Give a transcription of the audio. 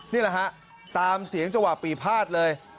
นี่แหละครับตามเสียงจังหวัดปีภาษณ์เลย